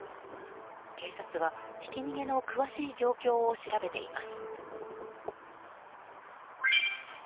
警察は、ひき逃げの詳しい状況を調べています。